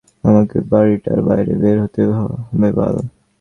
আমাকে বাড়িটার বাইরে বের হতে হবে বাল!